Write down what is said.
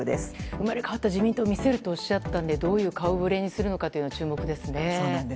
生まれ変わった自民党を見せるとおっしゃったのでどういう顔触れにするのか注目ですね。